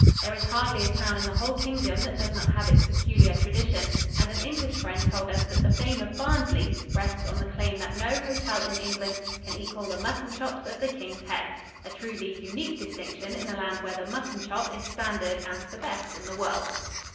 There is hardly a town in the whole Kingdom that does not have its peculiar tradition, and an English friend told us that the fame of Barnsley rests on the claim that no hotel in England can equal the mutton chops of the King's Head a truly unique distinction in a land where the mutton chop is standard and the best in the world.